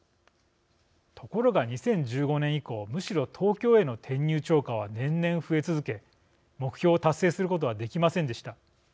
ところが、２０１５年以降むしろ東京への転入超過は年々増え続け、目標を達成することはできませんでした。